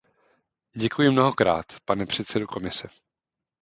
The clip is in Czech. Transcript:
Děkuji mnohokrát, pane předsedo Komise.